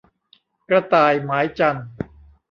กระต่ายหมายจันทร์